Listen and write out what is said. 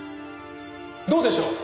どうでしょう？